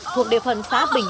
thuộc địa phần xã bình